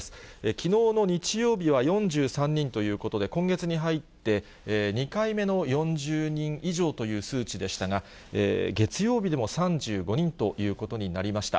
きのうの日曜日は４３人ということで、今月に入って、２回目の４０人以上という数値でしたが、月曜日でも３５人ということになりました。